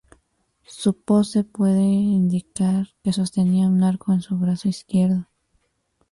Su pose puede indicar que sostenía un arco en su brazo izquierdo.